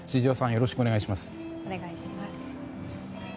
よろしくお願いします。